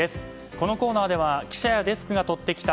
このコーナーでは記者やデスクがとってきた